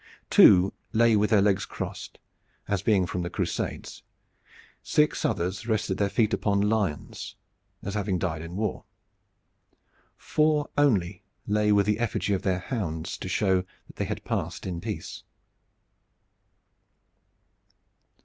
Two lay with their legs crossed, as being from the Crusades. Six others rested their feet upon lions, as having died in war. Four only lay with the effigy of their hounds to show that they had passed in peace.